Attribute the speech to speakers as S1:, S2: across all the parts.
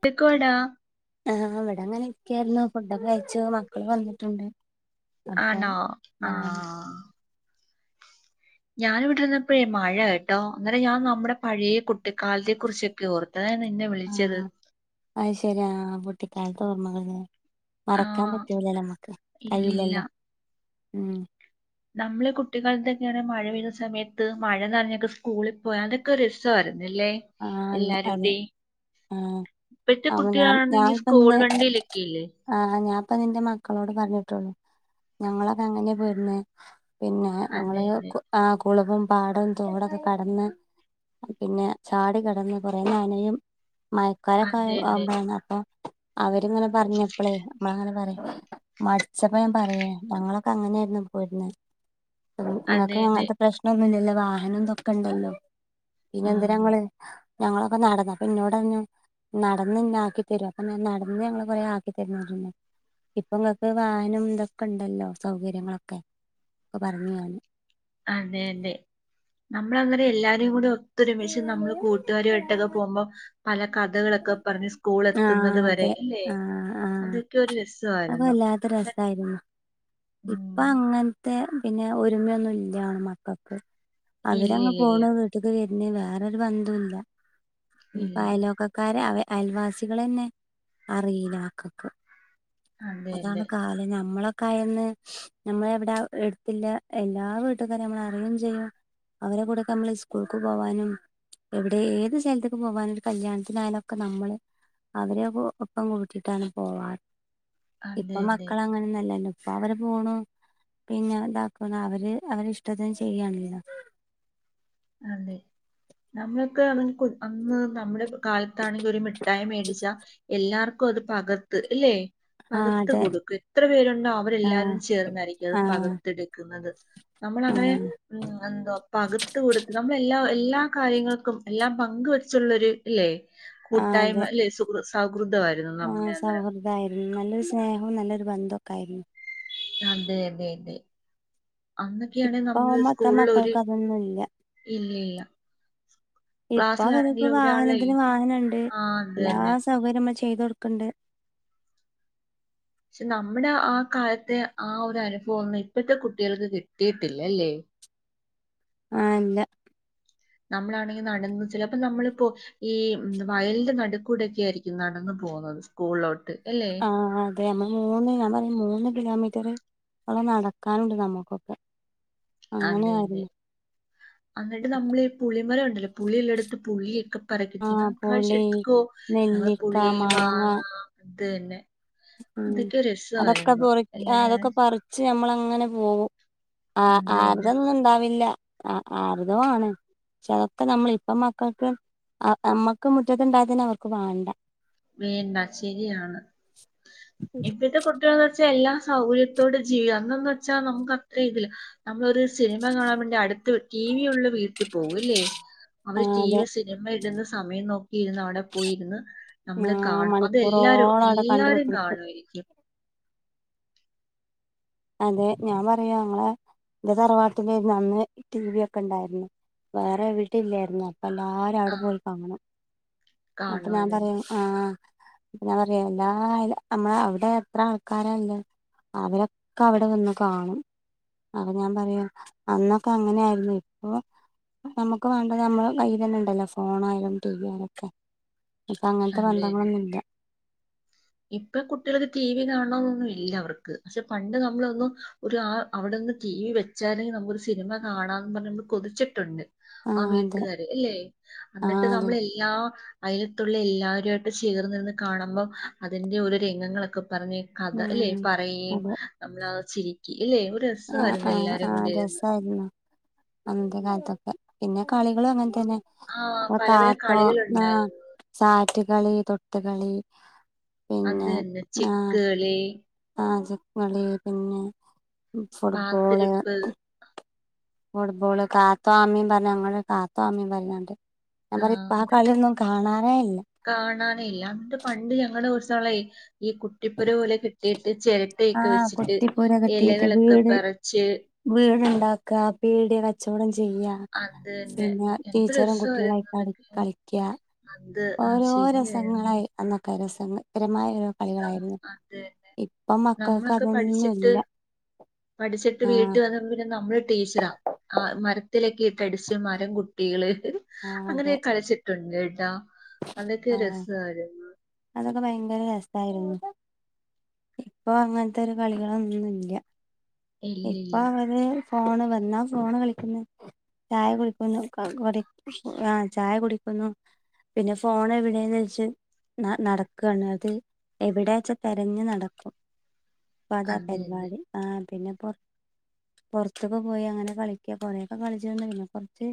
S1: വിളിക്കോടാ
S2: ആഹ് ഇവിടെ അങ്ങനൊ ക്കെയായിരുന്നു ഫുഡൊക്കെ കയിച്ചു മക്കള് വന്നിട്ടുണ്ട് അപ്പൊ
S1: ആണോ ആഹ് ഞാൻ ഇവിടെരിന്നപ്പയേ മഴേ കേട്ടോ അങ്ങനെ ഞാൻ നമ്മടെ പഴേ കുട്ടിക്കാലത്തെ കുറിച്ചൊക്കെ ഓർത്
S2: ആഹ് അയിശെരിയാ കുട്ടി ക്കാലത്ത് ഓർമ്മകൾലെ
S1: ആ
S2: മറക്കാൻ പറ്റൂലല്ലോ അമ്മക്ക്
S1: ഇല്ലില്ല
S2: കയ്യില്ലല്ലോ ഉം
S1: നമ്മള് കുട്ടിക്കാൽതെന്ന്യാണ് മഴ പെയ്ത സമയത്ത് മഴന്നനഞ്ഞൊക്കെ സ്കൂളിൽ പോയാ അതൊക്കെ രസ്സയിരുന്നു ല്ലേ
S2: ആഹ് അതെ
S1: എല്ലാരൂടിം
S2: ആഹ്
S1: ഇപ്പത്തെ
S2: അപ്പൊ ഞാൻ
S1: കുട്ടികളാണെങ്കിൽ
S2: ഞാനിപ്പ
S1: സ്കൂൾ വണ്ടിയിലൊക്കെല്ലേ
S2: ഇപ്പൊ നിന്റെ മക്കളോട് പറഞ്ഞിട്ടുള്ളൂ ഞങ്ങളൊക്കെ അങ്ങനെയ പോയിരുന്നെ പിന്നെ നമ്മള്
S1: അതെ അതെ
S2: ആ കുളവും, പാടവും, തോടൊക്കെ കടന്ന് പിന്നെ ചാട കടന്ന് കുറെ നനയും
S1: അതെ അതെ
S2: മയക്കാരൊക്കെുന്നപ്പ അവരിങ്ങനെ പറഞ്ഞപ്പളെ നമ്മള അങ്ങനെ പറയാ മടിച്ചപ്പോ ഞാൻ പറയേ ഞങ്ങളൊക്കെ അങ്ങനെയായിരുന്നു പോയിരുന്ന നിങ്ങക്ക
S1: അതെ അതെ
S2: അങ്ങനത്തെ പ്രശ്നം ഒന്നുല്ലല്ലോ വാഹനംന്തൊക്കണ്ടല്ലോ പിന്നെന്ത
S1: ഉം
S2: ഞങ്ങളൊക്കെ നടന്നു അപ്പൊ ഇന്നോട് പറഞ്ഞു നടന്ന് ഇന്ന ആക്കി തരും അപ്പൊ നടന്ന് ഞങ്ങള്ൾ കൊറെ ആക്കി തുന്ന ഇപ്പൊ ഇങ്ങക്ക് വാഹനം ഇതൊക്കെ ഉണ്ടല്ലോ സൗകര്യങ്ങളൊക്കെ ഒക്കെ പറഞ്ഞു ഞാന്
S1: അതെ അതെ നമ്മള അന്നേര എല്ലാരേും കൂടി ഒരുമിച്ച്ം നമ്മള് കൂട്ടുകാരു ആയിട്ടൊക്കെ പോകുമ്പോം പല കഥകളൊക്കെ പറഞ് സ്കൂൾ എത്തുന്നത്
S2: ആഹ്
S1: വരെ
S2: അതെ
S1: അല്ലെ അതൊക്കെ ഒരു രസ്
S2: അത വല്ലാത്ത രസമായിരുന്നു ഇപ്പ
S1: ഉം.
S2: അങ്ങനത്തെ പിന്നെ ഒരുമയൊന്നും ഇല്ലാണ് മക്കൾക്ക്
S1: ഇല്ല
S2: അവരങ്
S1: ഇല്ല
S2: പോണ
S1: ഇല്ല
S2: വീട്ടക്ക്‌ പിന്നെ വേറൊരു ബന്തൊല്ല
S1: ഇല്ല
S2: പായലോക്കക്കാര അയൽവാസികളെന്നെ അറിയിലാക്കക്ക്
S1: അതെ അതെ
S2: അതാണ് കാലം നമ്മളെ കയന്ന് നമ്മൾ എവിടെ എടുത്തില്ല എല്ലാ വീട്ടുകാരും നമ്മൾ അറിയുകയും ചെയ്യും അവരെ കൂടെയൊക്കെ നമ്മള് സ്കൂൾക്ക് പോവാനും എവിടെ ഏത് സ്ഥലത്തേക്ക് പോകാനും ഒരു കല്യാണത്തിനായാലൊക്കെ നമ്മള് അവരെ ഒപ്പം കൂട്ടിട്ടാണ് പോവാറ് ഇപ്പൊ
S1: അതെ അതെ
S2: മക്കള അങ്ങനൊന്നല്ലല്ലോ അപ്പൊ അവര് പോണു പിന്നെ ഇതാക്കുണ് അവര് അവരി ഇഷ്ടത്തിന് ചെയ്യണല്ലോ
S1: അല്ലെ നമ്മളൊക്കെ അ അന്ന് നമ്മുടെ കാലത്താെങ്കിൽ ഒരു മിട്ടായി മേടി ടിച്ച എല്ലാർക്കും അത് പകർത്ത് അല്ലെ
S2: ആ
S1: പകത്ത്
S2: അതെ
S1: കൊടുക്കും എത്ര പേരുണ്ടോ
S2: ആ
S1: അവരെല്ലാവരും ചേർന്നായിരിക്കും അത്
S2: ആ
S1: പകത്തെടുക്കുന്നത് നമ്മള
S2: ആ
S1: അങ്ങനെ ഉ എന്തോ പക കൊ ടുത്ത് നമ്മ എല്ലാ എല്ലാ കാര്യങ്ങൾക്കും എല്ലാം പങ്ക് വെച്ചുള്ളൊരു ഇല്ലേ കൂട്ടായ്മല്ലെ സുഖ്രസ
S2: ആ സൗഹൃദ ആരുന്നു നല്ല സ്നേഹവും നല്ലൊരു ബന്ധൊക്കെ ആയിരുന്നു
S1: അതെ അതെ അതെ അന്നൊക്കെയാണെ നമ്മള്
S2: ഇപ്പോത്ത
S1: സ്കൂളിൽ ഒരു
S2: മക്കൾക്ക് അതൊന്നുമല്ല
S1: ഇല്ല ഇല്ല
S2: ഇപ്പൊ അവർക്ക്
S1: ക്ലാസ്സിലാണെങ്കിലും ഒരാളെ
S2: വാഹനത്തിന് വാഹനംണ്ട്
S1: ആ അത്
S2: എല്ലാ
S1: തന്നെ
S2: സൗകര്യങ്ങളും ചെയ്തൊടുക്കണ്ട്
S1: പക്ഷെ നമ്മുടെ ആ കാലത്തെ ആ ഒരു അനുഭവം ഒന്നും ഇപ്പഴത്തെ കുട്ടികൾക്ക് കിട്ടിയിട്ടില്ലല്ലേ
S2: ആഇല്ല
S1: നമ്മളാണെങ്കി നടന്ന് ചിലപ്പോ നമ്മളിപ്പോ ഈ വയലിന്റെ നടുക്കൂടെൊക്കെ ആയിരിക്കും നടന്നു പോകുന്നത് സ്കൂളിലോട്ട് അല്ലെ
S2: ആഹ അെ അതെ നമ്മ മൂന്ന് ഞാൻ പറയാ മൂന്ന് കിലോമീറ്റർ ഉള്ള നടക്കാനുണ്ട് നമ്മുക്കൊക്കെ
S1: അതെ
S2: അങ്ങനെയായിരുന്നു
S1: അതെ എന്നിട്ട് നമ്മള് പുളിമര ഉണ്ടല്ലോ പുളിൽ എടുത്ത് പുളിക്ക പറക്കട്ട
S2: ആഹ്
S1: കഴിച്ച
S2: പുളി
S1: എടുക്കോ ഞങ്ങള്
S2: നെല്ലിക്ക
S1: പുള്ളി മാങ്ങ അത് തന്നെ
S2: ഉ
S1: അതൊക്കെ
S2: അതൊക്കെ
S1: രസായിരുന്നു അല്ലേ
S2: അതൊക്കെ പറിച്ച് നമ്മള അങ്ങനെ പോകും ആ
S1: അത് തന്നെ
S2: ആരുതൊന്നും ഇണ്ടാവില്ല ആ അർതാണ് ചതൊക്കെ നമ്മൾ ഇപ്പ മക്കൾക്ക് നമ്മക്ക് മുറ്റത്ത് ഉണ്ടായത്തന്നെ അവർക്ക് വേണ്ട
S1: വേണ്ട ശരിയാണ് ഇപ്പോത്തെ കുട്ടിയാൾക്ക് എല്ലാ സൗകര്യത്തോടെ ജീവിക്ക അന്ന് വെച്ചാൽ നമുക്ക് അത്രയും ഇല്ല നമ്മളൊരു സിനിമ കാണാൻ വേണ്ടി അടുത്ത് ടീവി ഉള്ള വീട്ടിൽ പോകല്ലേ അവര് ടി
S2: അതെ
S1: വി സിനിമ ഇടുന്ന സമയം നോക്കിയിരുന്നു അവിടെ പോയിരുന്നു
S2: ആ
S1: നമ്മള് കാണും അതല്ലാരും
S2: മണിക്കൂറോളം അവിടെ കണ്ട്
S1: എല്ലാരും
S2: കുത്തിരിക്കും
S1: കാണുമായിരിക്കും
S2: അതെ ഞാൻ പറയാ ഞങ്ങളെ തറവാട്ടന്റെ അന്ന് ടി വി ഒക്കെ ഇണ്ടായിരുന്നു വേറെ എവിടിംല്ലായിരുന്നു അ എല്ലാരും
S1: ആ
S2: അവിടെ പോയി കാണും അപ്പൊ ഞാൻ
S1: കാണുമായിരുന്നു
S2: പറയാ
S1: അത്
S2: ആഹ പിന്നെ പറയാ എല്ലായാലും നമ്മള അവിടെ എത്ര ആൾക്കാരല്ലേ അവര അവിടെ വന്ന് കാണും അപ്പൊ ഞാൻ പറയാ അന്നൊക്കെ അങ്ങനെയായിരുന്നു ഇപ്പൊ നമ്മുക്ക് വേണ്ടത് നമ്മള് കൈ തന്നെ ഇണ്ടല്ലോ ഫോണയാലും ടി വി ആയാലുംക്കെ അപ്പൊ അങ്ങനത്തെ ബന്ധങ്ങളൊന്നുംല്ല
S1: ഇപ്പ കുട്ടികൾക്ക് ടി വി കാണൊന്നും ഇല്ല അവർക്ക് പക്ഷെ പണ്ട് നമ്മളൊന്നും ഒരു ആ അവിടെന്ന് ടി വി വെച്ചാലെങ്കിൽ നമ്മൊ ഒരു സിനിമ കാണാന്ന് പറഞ്ഞ നമ്മള് കൊതിച്ചിട്ടുണ്ട് ആ
S2: ആഹ് അതെ
S1: വീട്ടുകാര് അല്ലേ
S2: ആഹ്
S1: എന്നിട്ട്
S2: അതെ
S1: നമ്മള എല്ലാ അയൽത്തുള്ള എല്ലാവരുമായിട്ട് ചേർന്നിരുന്ന് കാണുമ്പോം അതിന്റെ ഒരോ രംഗങ്ങളൊക്കെ പറഞ്ഞ കഥ അല്ലെ
S2: ഉം
S1: പറയും
S2: അതെ
S1: നമ്മള ചിരിക്കി ഇല്ലേ ഒരു രസമായിരുന്നു എല്ലാരും കൊണ്ടിരിന്നു
S2: അന്ത്യ കാലത്തൊക്കെ പിന്നെ കളികൾ അങ്ങനത്തെ
S1: ആ
S2: പി
S1: പല പല
S2: കാത്തോ ആ
S1: കളികളുണ്ടായിരുന്നു
S2: സാറ്റ് കളി തൊട്ട് കളി
S1: അത് തന്നെ ചെക്ക് കളി
S2: ആ ചെക്ക് കളി പിന്നെ ഫുട്ബോള്
S1: പാത്തിരിപ്പ്
S2: ഫുട്ബോള് കാത്തോ അമ്മി പറഞ്ഞു ഞങ്ങള് കാത്തോ അമ്മി പറയൂ ണ്ട് [unintelligible] ഞാൻ പറയാ ഇപ്പൊ ആ കളിയൊന്നും കാണാൻ ആഎന്നെ [unintelligible]
S1: കാണാനില്ല എന്നിട്ട് പണ്ട് ഞങ്ങള് സ് ളേ [unintelligible] ഈ കുട്ടിപ്പുര പോലെ കെട്ടി കെ ചിരട്ടയൊക്കെ
S2: ആഹ്
S1: വെച്ചിട്ട്
S2: കുട്ടിപ്പൂര
S1: ഇലകളൊക്കെ പറിച്ച്
S2: വീടുണ്ടാക്കുക പീടിക കച്ചവടം ചെയ്യ
S1: അത് തന്നെ
S2: പിന്നെ
S1: എന്ത്
S2: ടീച്ചറും കുട്ടികളായി
S1: രസമായിരുന്നു
S2: കളി
S1: അതൊക്കെ
S2: കളിക്ക
S1: അത് ആ
S2: ഓരോ
S1: ശരിയായിരുന്നു
S2: രസങ്ങളായി അന്നഒ ക രസകരമായ [unintelligible]
S1: ഉ
S2: കളികളായിരുന്നു
S1: അത തന്നെ
S2: ഇപ്പം മക്കൾക്ക്
S1: നമ്മളൊക്കെ പഠിച്ചിട്ട്
S2: അതൊന്നുല്ല
S1: പഠിച്ചിട്ട് വീട്ട്
S2: ആഹ്
S1: വന്ന പിന്നെ നമ്മള് ടീച്ചറാ ആ മര ത്തിലൊക്കെ തടിച്ച മരം കുട്ടികള് അങ്ങനെ കളിച്ചിട്ടുണ്ട് ത
S2: ആ അതൊക്കെ ഭയങ്കര രസായിരുന്നു ഇപ്പൊ അങ്ങനത്തെ ഒരു കളികളൊന്നും ഇല്ല ഇപ്പൊ
S1: ഇല്ലില്ല
S2: അവര് ഫോണ് വന്നാ ഫോണ് കളിക്കുന്നു ചായ കുടിക്കുന്നു [unintelligible] ആ ചായ കുടിക്കുന്നു പിന്നെ ഫോൺ എവിടെന്ന് വെച്ച് നടക്കാണ് അത് എവിടെച്ചാ തിരഞ്ഞ് നടക്കും ഇപ്പ അതാ
S1: അതെ അതെ
S2: പരിപാടി ആ പിന്നെ പുറത്തൊക്കെ പോയി അങ്ങനെ കളിക്കും കൊറേക്കെ കളിച്ച തന്ന പിന്നെ കുറച്ച്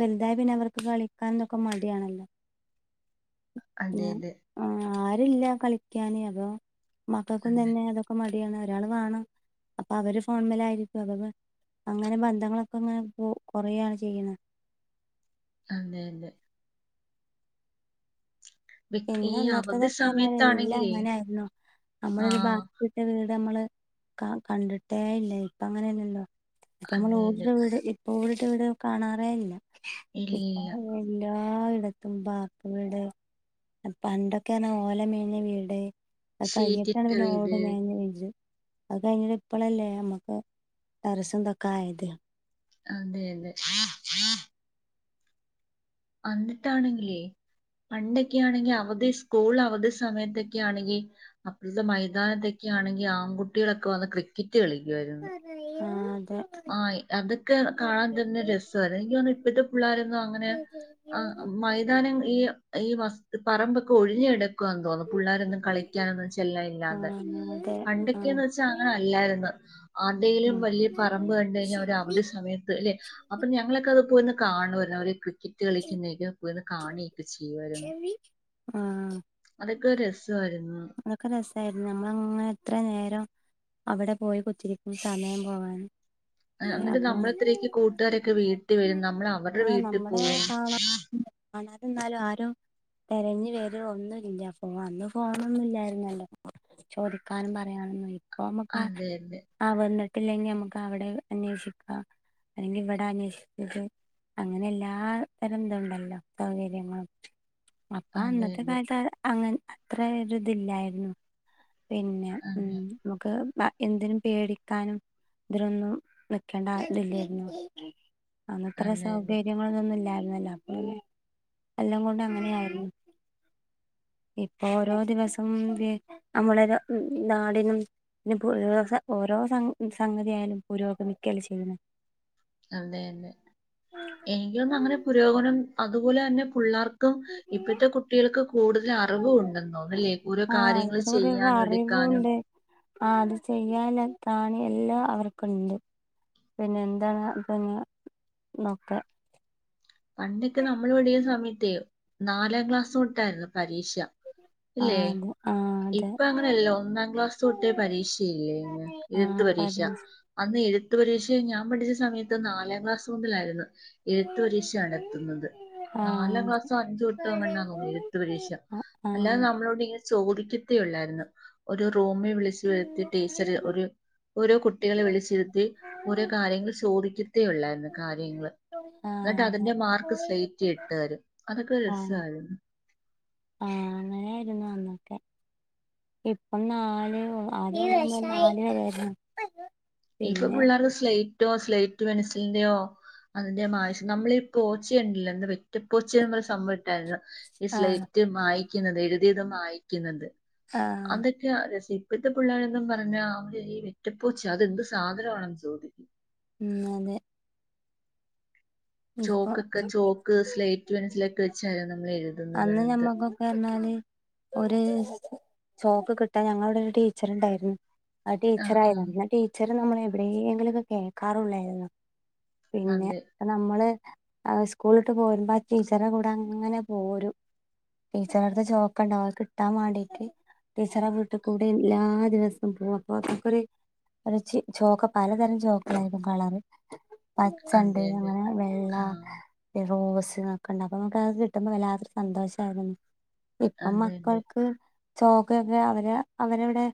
S2: വലുതായ പിന്നെ അവർക്ക് കളിക്കാൻ ഒക്കെ മടിയാണല്ലോ പിന്നെ
S1: അതെതെ
S2: ആരുല്ല കളിക്കാന് അപ്പൊ മക്കൾക്കും
S1: അതെ
S2: തന്നെ അതൊക്കെ മ- ഒരാൾ വേണം അപ്പൊ അവര് ഫോൺമല ആയിരിക്കും അവ അങ്ങനെ ബന്ധങ്ങളൊക്കെ അങ്ങനെ കൊറയാണ് ചെയ്യണ-
S1: അതെ അതെ വി-
S2: പിന്ന
S1: ഈ അവധി
S2: അന്നത്തതൊക്കെ എല്ലാം
S1: സമയത്താണെങ്കിലേ
S2: അങ്ങനെ ആരുന്നു
S1: ആ
S2: നമ്മളരു ബാക്കിട്ടീ നമ്മള് കണ്ടിട്ടേ ഇല്ലേ ഇപ്പ അങ്ങനെയല്ലല്ലോ ക്കമ
S1: അതെ അതെ
S2: ഓർടർവിടീല്- ഓടിട്ട വീട് കാണാറേ ഇല്ല- ഇപ്പോ
S1: ഇല്ലില്ല
S2: എല്ലാ എല്ലായിടത്തും വാർക്കവീട്- പണ്ടൊക്കെയണ ഓല മേന വീട്ആയി അത്കൈഞ്ഞട്ടാണ്
S1: ഷീറ്റിട്ട
S2: പിന്നെ
S1: വീട്
S2: ഓട് മേഞ്ഞ വീട് അത് കഴിഞ്ഞട്ട ഇപ്പളല്ലേ നമ്മുക്ക് ടെരസ്തൊക്ക ആയത്-
S1: അതെ അതെ അന്നിട്ടാണെങ്കിലേ പണ്ടൊക്കെയാണെങ്കിൽ അവധി സ്കൂൾ അവധി സമയത്തൊക്കെ ആണെങ്കിൽ അപ്പഴത്തെ മൈതാനത്തൊക്കെ ആണെങ്കിൽ ആൺകുട്ടികളൊക്കെ വന്ന് ക്രിക്കറ്റ്- റ്റ് കളിക്കുവായിരുന്നു-
S2: ആ അതെ
S1: ആ അതൊക്കെ കാണാൻ തന്നെ രസാര് എനിക്ക് തോന്ന് ഇപ്പഴത്തെ പിള്ളോരൊന്നും അങ്ങനെ ആ മൈതാനം ഈ ഈ വസ്തു പറമ്പൊക്കെ ഒഴിഞ്ഞകെടുക്ക് ക്കാന്ന് തോന്നുന്നു പിള്ളോരൊന്നും കളിക്കാനന്ന്
S2: ആ
S1: ച്ചെല്ലലില്ലാത
S2: അതെ ആ
S1: പണ്ടൊക്കെയന്ന് വെച്ചാ അങ്ങനെ അല്ലായിരുന്നു ആതേലും വലിയ- പറമ്പ് കണ്ട കഴഞ്ഞൽ അവ അവധി സമയത്ത് അല്ലെ അപ്പൊ ഞങ്ങളൊക്കെ അത് പോയിന്ന്- കാണ്വര്ന്ന് അവര് കൃ ക്കറ്റ് കളിക്കുന്നേക്കെ പോന്ന് കാണിയൊക്കെ ചെയ്യുവരുന്നു-
S2: ആഹ്
S1: ത് ഒരു രസ്
S2: അതൊക്കെ രസായിരുന്നു നമ്മളങ്ങനെ എത്ര നേരം- അവിടെ പോയി കുത്തിരിക്കും സമയം പോകൻ
S1: എന്നിട്ട് നമ്മളത്രരിക്ക് കൂട്ടുകാരൊക്കെ വീട്ടിൽ വരും നമ്മൾ അവരുടെ വീട്ടിൽ പോവും
S2: കാണാത എന്നാലും ആരും തിരഞ്ഞു പേര് ഒന്നുംല്ല പോഅന്ന് പോ- അന്നോന്നില്ലായിരുന്നല്ലോ ചോദിക്കാനും പറയാനോ- അമുക്ക്
S1: അതെ അതെ
S2: ആ വന്നിട്ട്- പട്ടില്ലെങ്കിൽ നമുക്ക് അവിടെ അന്വേഷിക്കാം അല്ലെങ്കിൽ ഇവിടെ അന്വേഷിച്ചത് അങ്ങനെ എല്ലാ തരം ഇതു ഉണ്ടല്ലോ സൗകര്യങ്ങളും അപ്പൊ
S1: അതെ
S2: അന്നത്തെ
S1: അതെ
S2: കാലത്ത് അങ്ങ അത്ര ഒരിതില്ലായിരുന്നു- പിന്നെ ഉം
S1: അതെ
S2: നമുക്ക് എന്തിനും പേടിക്കാനും ഇതിനലൊന്നും നിക്കേണ്ട ഇതില്ലേര്ന്നു അന്ന്ത്ര
S1: അതെ അതെ
S2: സൗകര്യങ്ങളുംതൊന്നുല്ലാ [unintelligible] അപ്പപിന്നെ എല്ലം കൊണ്ടും അങ്ങനെയായിരുന്നു ഓരോ ദിവസം നമ്മളെ നാടിനും ഓരോ സം സംഗതിയാലും പുരോഗമിക്കല്ല ചെയ്യുന്നത്
S1: അതെ അതെ എനിക്കോന്ന് അങ്ങനെ പുരോഗനം അത് പോലെ തന്നെ പുള്ളാർ ക്കും ഇപ്പഴത്തെ കുട്ടികൾക്ക് കൂടുതൽ അറിവും ഉണ്ടെന്നോന്നല്ലേ ഓരോ
S2: ആഹ്
S1: കാര്യങ്ങള്
S2: ഇതോടെയുള്ള
S1: ചെയ്യാനും എടുക്കാനും
S2: അറിവുണ്ട് ആ അത് ചെയ്യാല്ല ത്രാണി എല്ലാം അവർക്കുണ്ട് പിന്നെ എന്താണ് പിന്നെ ന്നൊക്കെ
S1: പണ്ടൊക്കെ നമ്മൾ പഠിക്കുന്ന സമയത്തേ നാലാം ക്ലാസ് തൊട്ടായിരുന്നു പരീക്ഷ
S2: ആ
S1: ഇല്ലേ
S2: അതെ ആ അതെ
S1: ഇപ്പ അങ്ങനെയല്ലോ ഒന്നാം ക്ലാസ് തൊട്ടേ പരീക്ഷയില്ലേങ്ങ്
S2: ആ
S1: എഴുത്ത് പരീക്ഷ അന്ന് എഴുത്ത് പരീക്ഷ [unintelligible] ഞാൻ പഠിച്ച സമയത്ത് നാലാം ക്ലാസ് മുതലായിരുന്നു എഴുത്ത് പരീശ നടത്തുന്നത്
S2: ആ
S1: നാലാം ക്ലാസൊ അഞ്ച് തൊട്ടൊ എങ്ങണ്ട തോന്ന് ന്ന് എഴുത്ത് പരീക്ഷ
S2: ആ ആ
S1: അല്ലാതെ നമ്മളോടിങ്ങനെ ചോദിക്ക ത്തെ ഉള്ളായിരുന്നു ഒരു റൂമി വിളിച്ചു വരുത്തി ടീച്ചറി ഒര് ഓരോ കുട്ടികളെ വിളിച്ചിരുത്തി ഓരോ കാര്യങ്ങൾ ചോദിക്കും ത്തെ ഒള്ളായിരുന്നു കാര്യങ്ങള്
S2: ആ അതെ
S1: ട്ടതിന്റെ മാർക്ക് സ്ലേറ്റ് ൽ ഇട്ട് തരും അതൊക്കെ
S2: ആ
S1: രസമായിരുന്നു
S2: ആ അങ്ങനെയായിരുന്നു അന്നൊക്കെ ഇപ്പം നാല് ആദ്യ നാല്
S1: ഇപ്പം
S2: പിന്നെ
S1: പിള്ളാർക്ക് സ്ലൈ റ്റോ സ്ലേറ്റ് പെൻസിലിൽന്റെയോ അതിന്റെയൊന്നും ആവശ്യം നമ്മളീ പോച്ച യുണ്ടല്ലോ എന്താ വെറ്റ പ്പോ ച്ചേന്നൊര് സംഭവണ്ടായിരുന്നു ഇ
S2: ആ
S1: സ്ലൈറ്റ് മായി ക്കുന്നത് എഴുതിയത് മായിക്കുന്നത്
S2: ആ
S1: അന്തൊക്കെയ [unintelligible] ഇപ്പഴത്തെ പിള്ളേര എന്തും പറഞ്ഞാ അവര് ഈ വെറ്റ്പ്പോച്ച അതെന്ത് സാധനവാണെന്ന് ചോദിക്കും
S2: ഉം അതെ ഇപ്പൊ
S1: ചോക്കൊക്കെ ചോക്ക് സ്ലേറ്റ് പെൻസില് [unintelligible]
S2: അന്ന് ഞമ്മക്കൊക്കെ പർഞ്ഞാല് ഒരു ചോക്ക് കിട്ടാൻ ഞങ്ങളവട ഒരു ടീച്ചർണ്ടായിരുന്നു അത്
S1: ആ
S2: ടീച്ചർ
S1: ആ
S2: ആയതാണ് പിന്നെ ടീച്ച റ് നമ്മള് എവിടേങ്കിലുക്കെ കോക്കാറൊള്ളായിരുന്നു പിന്നെ
S1: അതെ
S2: നമ്മള് സ്കൂളിട്ട് പോരുമ്പോ ടീച്ചറെ കൂടെ അങ്ങനെ പോരു ടീച്ചറ അടുത്ത് ചോക്ക് ഉണ്ടാവ കിട്ടാൻ വണ്ടിട്ട് പച്ചണ്ട്
S1: അതെ അതെ
S2: അങ്ങനെ വെള്ള
S1: ആ
S2: റോസ് [unintelligible] കിട്ടമ്പ വല്ലാതൊരു സന്തോഷയിരു ഇപ്പം
S1: അതെ അതെ
S2: മക്കൾക്ക് ചോക്കയൊക്കെ അവരെ അവരവിടെ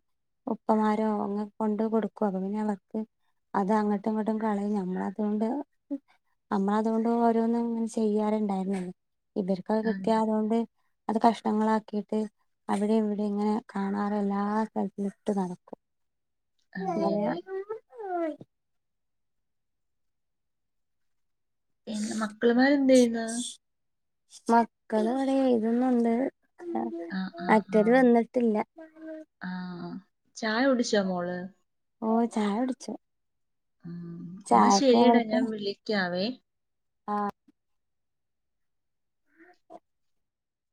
S2: ഉപ്പമാരോ അങ്ങെ കൊണ്ട് കൊടുക്കുവ അപ്പൊ പിന്നെ അവർക്ക് അത് അങ്ങോട്ടും ഇങ്ങോട്ടും കളയും നമ്മള അതുകൊണ്ട് നമ്മള അതുകൊണ്ട് ഓരോന്നും ഇങ്ങനെ ചെയ്യാറുണ്ടായിരുന്ന ഇവർക്ക്
S1: അതെ
S2: കിട്ടിയാതുകൊണ്ട് അത് കഷ്ണങ്ങളാക്കിയിട്ട് അവിടെ ഇവിടെ ഇങ്ങനെ കാണാറ് എല്ലാ സ്ഥലത്തിലും ഇട്ട് നടക്കും
S1: അതെല അതെ
S2: ഓ
S1: പിന്നെ മക്കളമാര്ന്ത് ചെയ്യുന്നത്
S2: മക്കള് ഇവിടെ എഴുതുന്നുണ്ട് ആ
S1: ആ ആ
S2: മറ്റൊര് വന്നിട്ടില്ല
S1: ആ ചായ കുടിച്ചോ മോള്
S2: ഓ ചായ കുടിച്ചു
S1: ഉ എന്നാ
S2: ചായക്ക്
S1: ശരിയടാ ഞാൻ വിളിക്കാവേ
S2: ആഹ